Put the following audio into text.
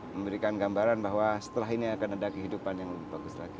memberikan gambaran bahwa setelah ini akan ada kehidupan yang lebih bagus lagi